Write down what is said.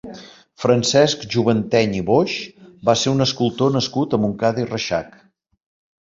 Francesc Juventeny i Boix va ser un escultor nascut a Montcada i Reixac.